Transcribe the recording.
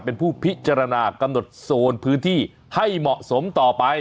เป็นผู้พิจารณากำหนดโซนพื้นที่ให้เหมาะสมต่อไป